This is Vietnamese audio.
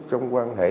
trong quan hệ